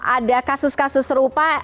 ada kasus kasus serupa